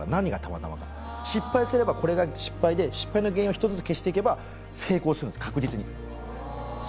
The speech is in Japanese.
失敗すればこれが失敗で失敗の原因を１つずつ消していけば成功するんです確実に。